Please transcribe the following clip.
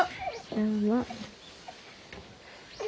どうも。